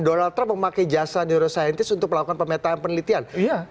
donald trump memakai jasa neuroscientist untuk melakukan pemetaan penelitian